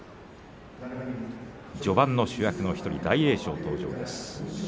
序盤の主役の１人大栄翔の登場です。